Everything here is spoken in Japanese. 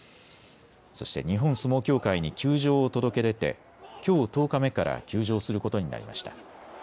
そして日本相撲協会に休場を届け出て、きょう１０日目から休場することになりました。